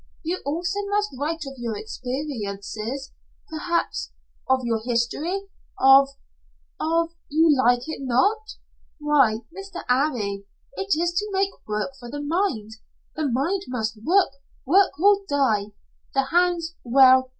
You also must write of your experiences perhaps of your history of of You like it not? Why, Mr. 'Arry! It is to make work for the mind. The mind must work work or die. The hands well.